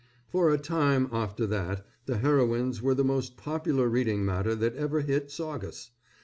For a time, after that, "The Heroines" were the most popular reading matter that ever hit Saugus.